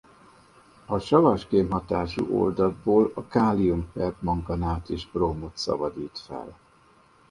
A savas kémhatású oldatából a kálium-permanganát is brómot szabadít fel.